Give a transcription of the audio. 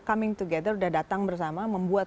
coming together sudah datang bersama membuat